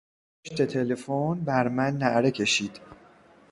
پشت تلفن بر من نعره کشید.